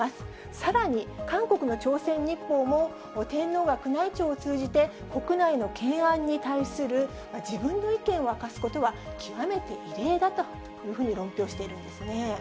さらに韓国の朝鮮日報も、天皇が宮内庁を通じて、国内の懸案に対する自分の意見を明かすことは、極めて異例だというふうに論評しているんですね。